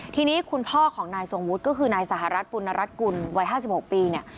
ทีนี้คุณพ่อของนายทรงวุฒิก็คือนายสหรัฐปุณรัฐกุลวัย๕๖ปีเนี่ย